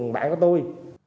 bạn có tôi